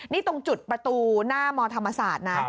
นี่ตรงจุดประตูหน้ามธรรมศาสตร์นะ